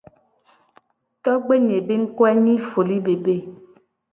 Togbe nye be nyiko ye nyi foli-bebe.